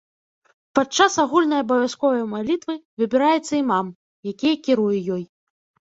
Падчас агульнай абавязковай малітвы, выбіраецца імам, які кіруе ёй.